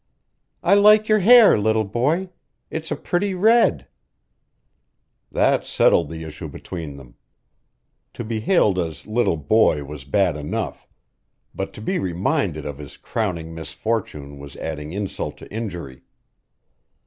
"I like your hair, little boy. It's a pretty red." That settled the issue between them. To be hailed as little boy was bad enough, but to be reminded of his crowning misfortune was adding insult to injury.